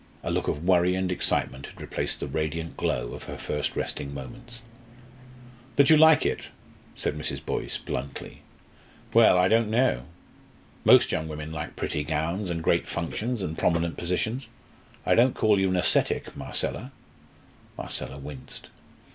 A look of worry and excitement had replaced the radiant glow of her first resting moments. "That you like it?" said Mrs. Boyce, bluntly. "Well, I don't know. Most young women like pretty gowns, and great functions, and prominent positions. I don't call you an ascetic, Marcella." Marcella winced.